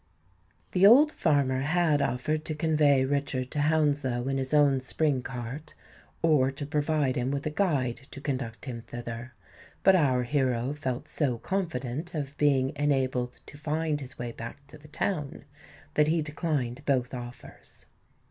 The old farmer had offered to convey Richard to Hounslow in his own spring cart, or to provide him with a guide to conduct him thither; but our hero felt so confident of being enabled to find his way back to the town, that he declined both offers.